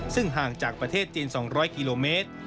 ซึ่งห่างจากประเทศจีน๒๐๐กิโลเมตร